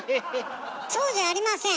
そうじゃありません。